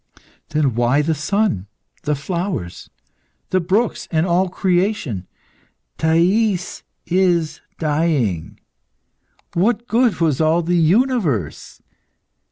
Then why the sun, the flowers, the brooks, and all creation? "Thais is dying!" What good was all the universe?